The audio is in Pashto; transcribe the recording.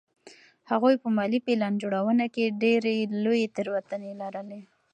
هغوی په مالي پلان جوړونه کې ډېرې لویې تېروتنې لرلې.